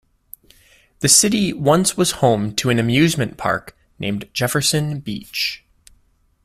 The city once was home to an amusement park named Jefferson Beach.